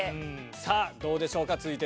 さあ、どうでしょうか。